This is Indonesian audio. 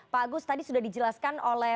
pak agus tadi sudah dijelaskan oleh